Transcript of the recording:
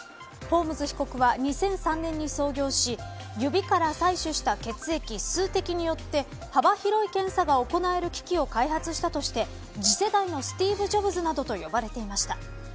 ホームズ被告は２００３年に創業し指から採取した血液数的によって幅広い検査が行える機器を開発したとして次世代のスティーブ・ジョブズなどと呼ばれていました。